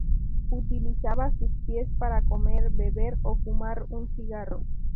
Utilizaba sus pies para comer, beber o fumar un cigarro.